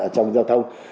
trong giao thông